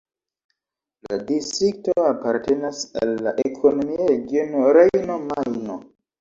La distrikto apartenas al la ekonomia regiono Rejno-Majno.